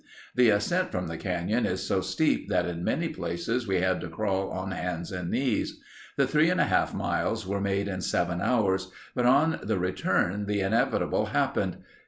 The ascent from the canyon is so steep that in many places we had to crawl on hands and knees. The three and a half miles were made in seven hours, but on the return the inevitable happened.